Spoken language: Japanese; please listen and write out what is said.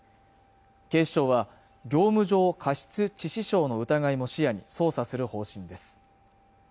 警視庁は業務上過失致死傷の疑いも視野に捜査する方針です